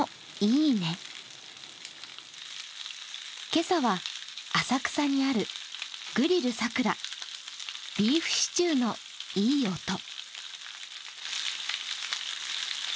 今朝は浅草にあるグリル佐久良、ビーフシチューのいい音。